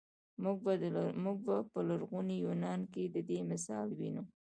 موږ په لرغوني یونان کې د دې مثال وینو.